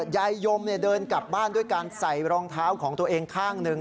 ยมเดินกลับบ้านด้วยการใส่รองเท้าของตัวเองข้างหนึ่ง